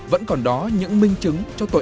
vẫn còn đó những minh chứng cho tội